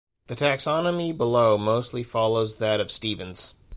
The taxonomy below mostly follows that of Stevens.